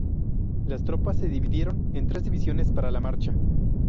Las tropas se dividieron en tres divisiones para la marcha.